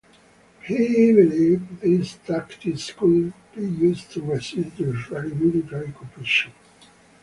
He believed these tactics could be used to resist the Israeli military occupation.